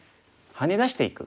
ハネ出していく。